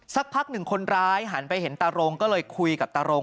สักพักหนึ่งคนร้ายหันไปเห็นตารงก็เลยคุยกับตารง